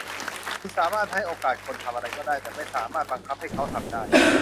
คุณสามารถให้โอกาสคนทำอะไรก็ได้ แต่ไม่สามารถบังคับให้เขาทำได้